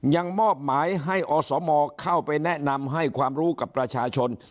มอบหมายให้อสมเข้าไปแนะนำให้ความรู้กับประชาชน